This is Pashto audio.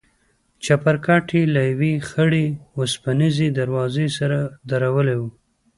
چپرکټ يې له يوې خړې وسپنيزې دروازې سره درولى و.